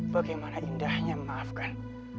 bagaimana indahnya memaafkan